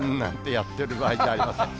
やってる場合じゃありません。